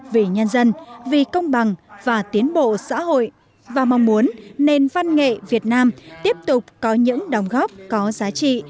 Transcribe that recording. vì nhân dân vì công bằng và tiến bộ xã hội và mong muốn nền văn nghệ việt nam tiếp tục có những đóng góp có giá trị